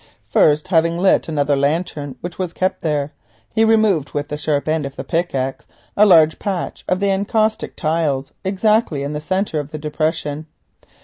First, having lit another lantern which was kept there, he removed with the sharp end of the pickaxe a large patch of the encaustic tiles exactly in the centre of the depression.